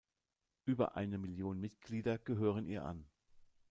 Über eine Million Mitglieder gehören ihr an.